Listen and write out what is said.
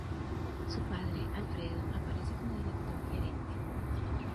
Su padre, Alfredo, aparece como Director-Gerente.